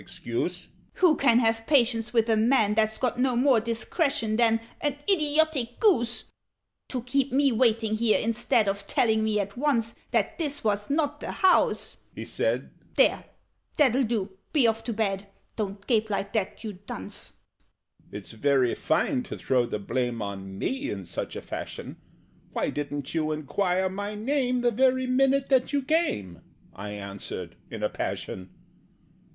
he cried, as I began To mutter some excuse. "Who can have patience with a man That's got no more discretion than An idiotic goose? "To keep me waiting here, instead Of telling me at once That this was not the house!" he said. "There, that'll do be off to bed! Don't gape like that, you dunce!" "It's very fine to throw the blame On me in such a fashion! Why didn't you enquire my name The very minute that you came?" I answered in a passion.